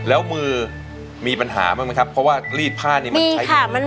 แล้วมือมีปัญหาบ้างไหมครับเพราะว่ารีดผ้านี่มันใช้อยู่